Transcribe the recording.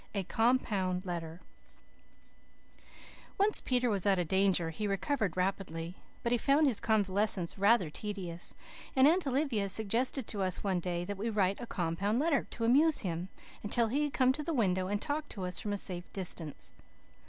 A COMPOUND LETTER Once Peter was out of danger he recovered rapidly, but he found his convalescence rather tedious; and Aunt Olivia suggested to us one day that we write a "compound letter" to amuse him, until he could come to the window and talk to us from a safe distance.